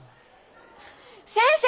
先生！